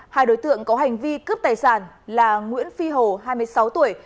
hai đối tượng có hành vi cướp tài sản là nguyễn phi hồ hai mươi sáu tuổi